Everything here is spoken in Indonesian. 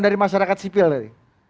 dari masyarakat sipil tadi